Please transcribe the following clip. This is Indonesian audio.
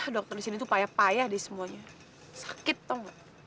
dokter di sini tuh payah payah deh semuanya sakit tau gak